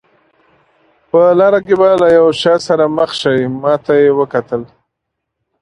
په لاره کې به له یو چا سره مخ شئ، ما ته یې وکتل.